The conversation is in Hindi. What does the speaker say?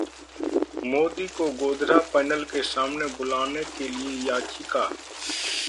मोदी को गोधरा पैनल के सामने बुलाने के लिए याचिका